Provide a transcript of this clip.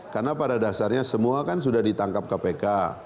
karena pada dasarnya semua kan sudah ditangkap kpk